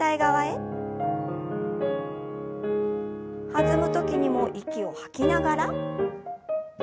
弾む時にも息を吐きながら。